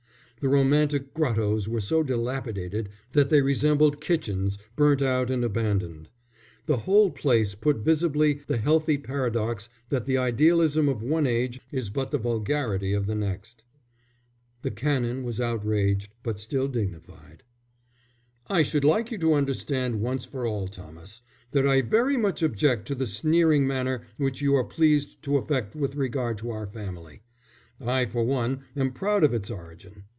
The romantic grottoes were so dilapidated that they resembled kitchens burnt out and abandoned. The whole place put visibly the healthy paradox that the idealism of one age is but the vulgarity of the next. The Canon was outraged but still dignified. "I should like you to understand once for all, Thomas, that I very much object to the sneering manner which you are pleased to affect with regard to our family. I, for one, am proud of its origin.